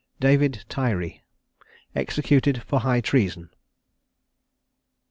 DAVID TYRIE. EXECUTED FOR HIGH TREASON.